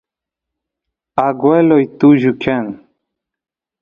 agueloy tullu kan